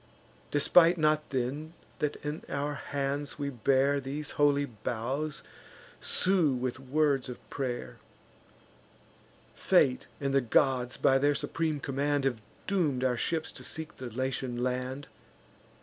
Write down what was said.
Despite not then, that in our hands we bear These holy boughs, and sue with words of pray'r. Fate and the gods, by their supreme command, Have doom'd our ships to seek the Latian land.